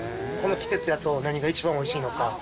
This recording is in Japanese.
この季節やと何が一番美味しいのか。